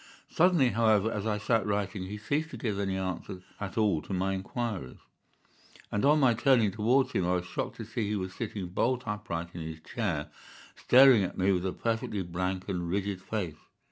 Suddenly, however, as I sat writing, he ceased to give any answer at all to my inquiries, and on my turning towards him I was shocked to see that he was sitting bolt upright in his chair, staring at me with a perfectly blank and rigid face.